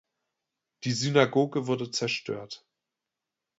Die Synagoge wurde zerstört.